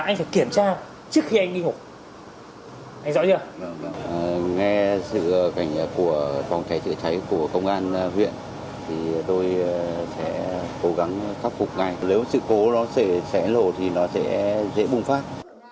nghe sự cảnh của phòng cháy chữa cháy của công an viện thì tôi sẽ cố gắng khắc phục ngay nếu sự cố nó sẽ lột thì nó sẽ dễ bùng phát